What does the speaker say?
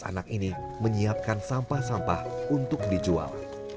ibu dua belas anak ini menyiapkan sampah sampah untuk dijual